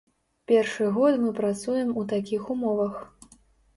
Першы год мы працуем у такіх умовах.